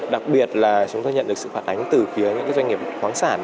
đặc biệt là chúng ta nhận được sự phản ánh từ phía những cái doanh nghiệp khoáng sản